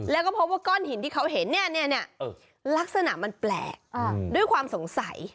แล้วก็พบว่าก้อนหินที่เขาเห็นเนี่ยลักษณะมันแปลกด้วยความสงสัย